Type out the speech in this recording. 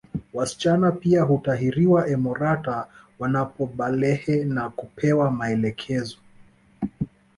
Wasichana pia hutahiriwa emorata wanapobalehe na hupewa maelekezo